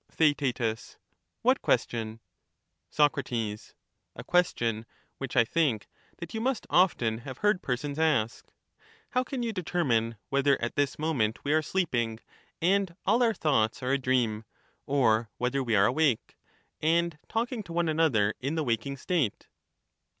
TheaeL What question ? Soc. A question which I think that you must often have How, when heard persons ask :— How can you determine whether at this ^^*^ moment we are sleeping, and all our thoughts are a dream ; that we are or whether we are awake, and talking to one another in the ^ot asleep, wakmg state